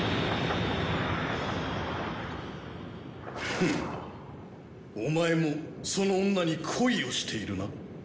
フンッお前もその女に恋をしているな？